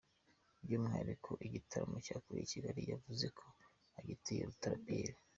By’umwihariko igitaramo yakoreye i Kigali yavuze ko agituye Rutare Pierre.